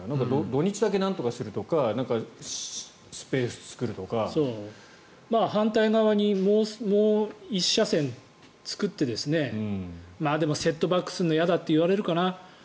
土日だけなんとかするとか反対側にもう１車線作ってでもセットバックするの嫌だって言われるかな。